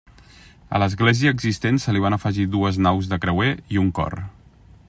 A l'església existent se li van afegir dues naus de creuer i un cor.